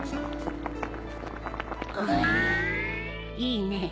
いいね。